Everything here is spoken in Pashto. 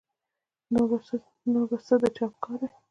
نور به څه د چا په کار وي